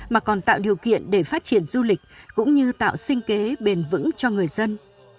mà còn tạo điều kiện để phát triển du lịch cũng như tạo sinh kế bền vững cho người dân